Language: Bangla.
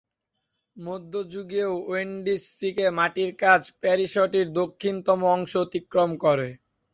মধ্যযুগীয় ওয়েনসডিকে মাটির কাজ প্যারিশটির দক্ষিণতম অংশ অতিক্রম করে।